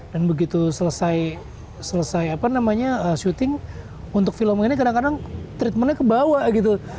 dan begitu selesai syuting untuk film ini kadang kadang treatmentnya kebawa gitu